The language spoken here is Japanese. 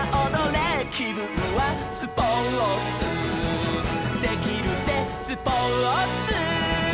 「きぶんはスポーツできるぜスポーツ」